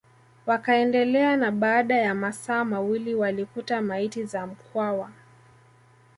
Wakaendelea na baada ya masaa mawili walikuta maiti za Mkwawa